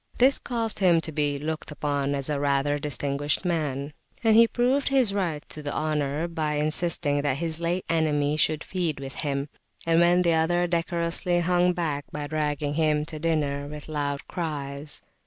This caused him to be looked upon as rather a distinguished man, and he proved his right to the honour by insisting that his late enemy should feed with him, and when the other decorously hung back, by dragging him to dinner with loud cries.